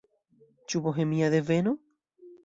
Ĉu bohemia deveno?